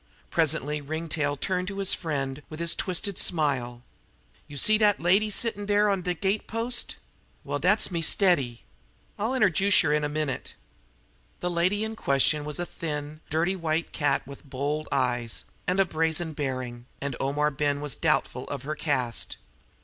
Presently Ringtail turned to his friend with his twisted smile: "Yer see dat lady settin' on de gate post? Well, dat's me steady. I'll interjuce yer in a minute." The lady in question was a thin, dirty white cat with bold eyes and a brazen bearing, and Omar Ben was doubtful of her caste.